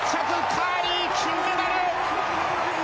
カーリー金メダル！